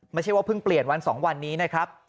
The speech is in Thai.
ไม่ใช่ว่าเพิ่งเปลี่ยนวัน๒วันนี้นะครับ